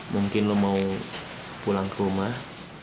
mungkin lo mau pulang ke rumah